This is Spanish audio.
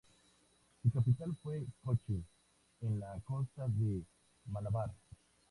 Su capital fue Cochin, en la costa de Malabar.